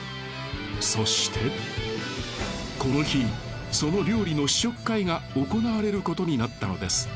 そしてこの日その料理の試食会が行われることになったのです。